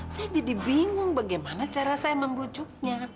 saya jadi bingung bagaimana cara saya membujuknya